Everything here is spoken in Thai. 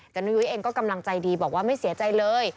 แต่นุ้ยเองก็กำลังใจดีบอกว่าไม่เสียใจเลย